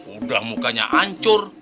udah mukanya ancur